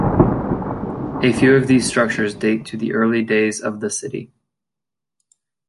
A few of these structures date to the early days of the city.